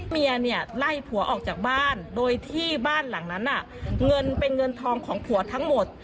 เมียเนี่ยไล่ผัวออกจากบ้านโดยที่บ้านหลังนั้นเงินเป็นเงินทองของผัวทั้งหมด